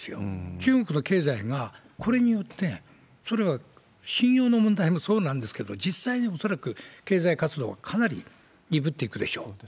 中国の経済がこれによって、それは信用の問題もそうなんですけど、実際に恐らく経済活動はかなり鈍っていくでしょう。